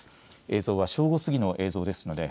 映像は正午過ぎの様子です。